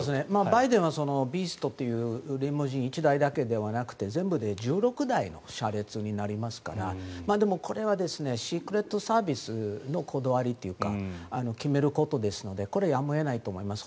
バイデンはビーストという１台だけではなくて全部で１６台車列になりますからこれはシークレットサービスのこだわりというか決めることですのでこれ、やむを得ないと思います。